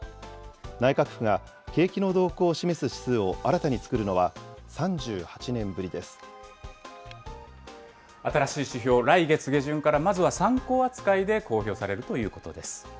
内閣府が景気の動向を示す指数を新しい指標、来月下旬からまずは参考扱いで公表されるということです。